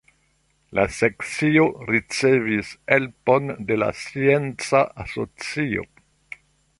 La Sekcio ricevis helpon de la Scienca Asocio.